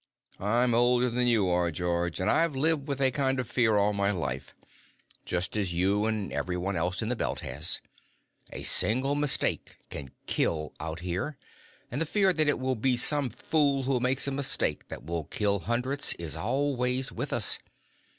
"I'm older than you are, George, and I've lived with a kind of fear all my life just as you and everyone else in the Belt has. A single mistake can kill out here, and the fear that it will be some fool who makes a mistake that will kill hundreds is always with us.